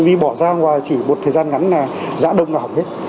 vì bỏ ra ngoài chỉ một thời gian ngắn là giã đông là hỏng hết